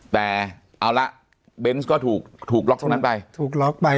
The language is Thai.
แต่เอาละเบนส์ก็ถูกถูกล็อกตรงนั้นไป